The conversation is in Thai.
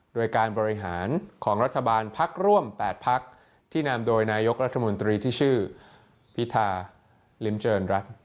โดยการบริหารของรัฐบาลพักร่วม๘พักที่นำโดยนายกรัฐมนตรีที่ชื่อพิธาลิ้มเจริญรัฐ